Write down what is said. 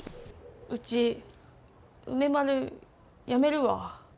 ウチ梅丸やめるわ。